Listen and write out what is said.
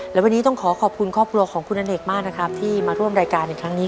และวันนี้ต้องขอขอบคุณครอบครัวของคุณอเนกมากนะครับที่มาร่วมรายการในครั้งนี้